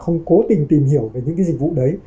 không cố tình tìm hiểu về những cái dịch vụ đấy